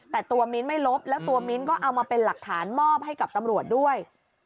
แต่ตัวมิ้นท์ไม่ลบแล้วตัวมิ้นก็เอามาเป็นหลักฐานมอบให้กับตำรวจด้วย